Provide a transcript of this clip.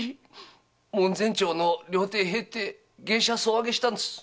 門前町の料亭へ入って芸者を総上げしたんです。